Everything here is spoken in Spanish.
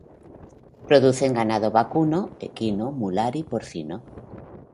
Producen ganado vacuno, equino, mular, y porcino.